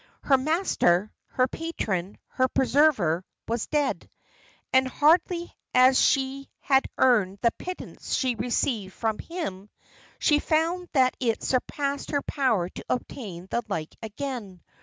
Her master, her patron, her preserver, was dead; and hardly as she had earned the pittance she received from him, she found that it surpassed her power to obtain the like again.